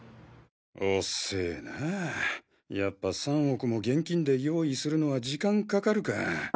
おせえなやっぱ３億も現金で用意するのは時間かかるか。